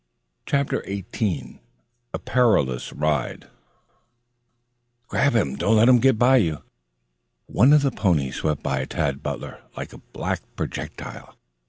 CHAPTER XVIII ON A PERILOUS HIDE "Grab him! Don't let him get by you!" One of the ponies swept by Tad Butler like a black projectile.